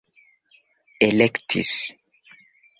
elektis